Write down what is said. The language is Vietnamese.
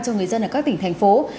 cho người dân ở các tỉnh thành phố